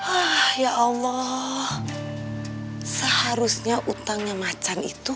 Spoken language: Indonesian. oh ya allah seharusnya utangnya macam itu